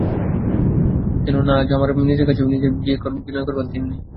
কেননা, আজ আমার নিজের কাছেও নিজের বিনয় করবার দিন নেই।